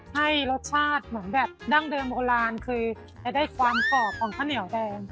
ให้รสชาติเหมือนแบบดั้งเดิมโบราณคือจะได้ความกรอบของข้าวเหนียวแดง